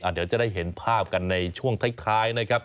เดี๋ยวจะได้เห็นภาพกันในช่วงท้ายนะครับ